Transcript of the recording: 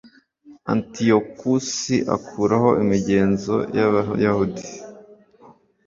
antiyokusi akuraho imigenzo y'abayahudi